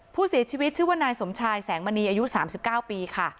ผู้เสียชีวิตชื่อว่านายสมชายแสงมณีอายุ๓๙ปีค่ะ